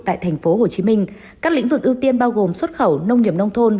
tại tp hcm các lĩnh vực ưu tiên bao gồm xuất khẩu nông nghiệp nông thôn